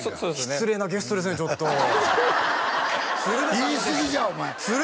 失礼なゲストですねちょっと言いすぎじゃお前おい！